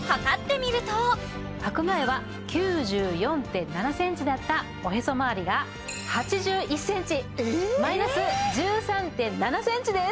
はく前は９４．７センチだったおへそまわりが８１センチマイナス１３．７センチです！